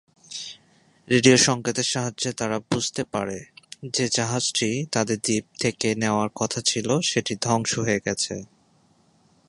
Radio সংকেতের সাহায্যে তারা বুঝতে পারে, যে জাহাজটি তাদের দ্বীপ থেকে নেওয়ার কথা ছিল, সেটি ধ্বংস হয়ে গেছে।